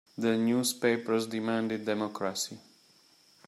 The newspapers demanded democracy.